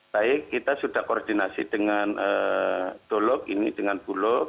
baik kita sudah koordinasi dengan dolog ini dengan bulog